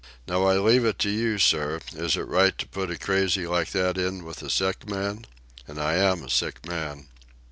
Now I leave it to you, sir, is it right to put a crazy like that in with a sick man? And I am a sick man."